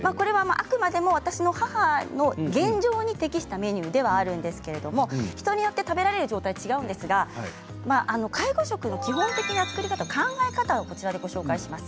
あくまでも私の母の現状に適した料理ではあるんですけれども人によって食べられる状態が違うんですが介護食の基本的な作り方と考え方をご紹介します。